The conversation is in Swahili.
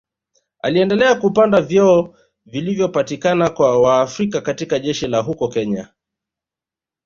Aliendelea kupanda vyeo vilivyopatikana kwa Waafrika katika jeshi la huko Kenya